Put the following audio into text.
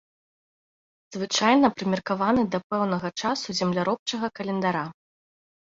Звычайна прымеркаваны да пэўнага часу земляробчага календара.